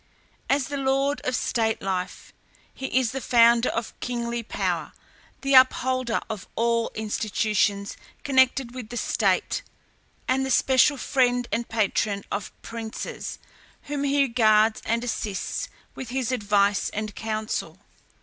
As the lord of state life, he is the founder of kingly power, the upholder of all institutions connected with the state, and the special friend and patron of princes, whom he guards and assists with his advice and counsel.